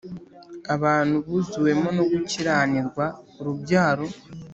abantu buzuwemo no gukiranirwa, urubyaro